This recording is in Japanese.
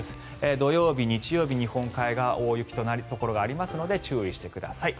土曜日日曜日、日本海側は大雪となるところがありますので注意してください。